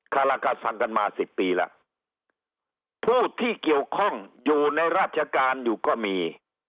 คารากาสังกันมาสิบปีแล้วผู้ที่เกี่ยวข้องอยู่ในราชการอยู่ก็มี